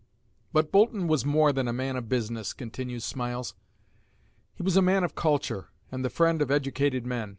But Boulton was more than a man of business, continues Smiles; he was a man of culture, and the friend of educated men.